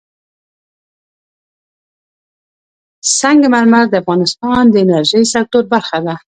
سنگ مرمر د افغانستان د انرژۍ سکتور برخه ده.